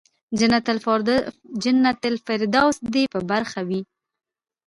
جنت الفردوس دې په برخه وي.